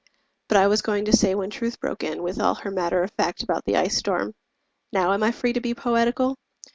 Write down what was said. But I was going to say when Truth broke in With all her matter of fact about the ice storm (Now am I free to be poetical?)